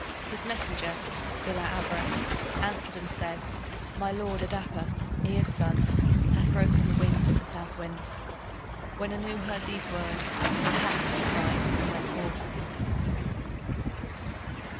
His messenger Ila Abrat answered and said: My lord, Adapa, Ea's son, hath broken the wings of the Southwind. When Anu heard these words, "Aha!" he cried, and went forth.